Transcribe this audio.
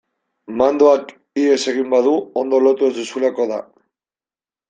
Mandoak ihes egin badu ondo lotu ez duzulako da.